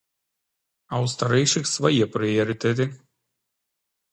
А ў старэйшых свае прыярытэты.